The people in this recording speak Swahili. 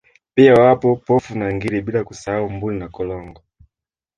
Pia wapo Pofu na Ngiri bila kusahau Mbuni na Korongo